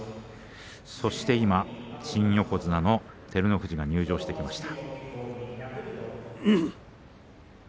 そして新横綱の照ノ富士が入場してきました。